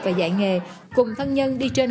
và dạy nghề cùng thân nhân đi trên